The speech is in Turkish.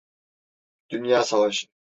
Dünya Savaşı.